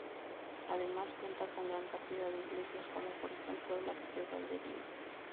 Además, cuenta con gran cantidad de iglesias como por ejemplo la Catedral de Lima.